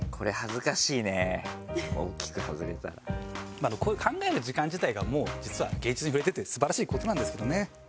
またこういう考える時間自体がもう実は芸術に触れてて素晴らしい事なんですけどね。